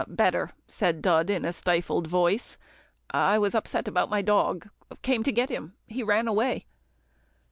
"Better," said Dud in a stifled voice. "I was upset about my dog came to get him. He ran away."